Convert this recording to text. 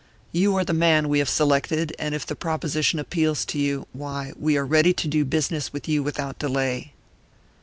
You are the man we have selected, and if the proposition appeals to you, why, we are ready to do business with you without delay."